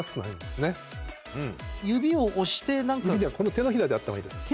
手のひらでやった方がいいです。